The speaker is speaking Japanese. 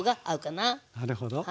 なるほど。